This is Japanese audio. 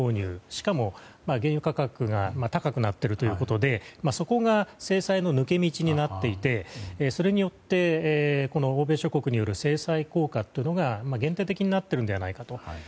しかも原油価格が高くなっているということでそこが制裁の抜け道になっていてそれによって欧米諸国による制裁効果というのが限定的になっているのではないかと。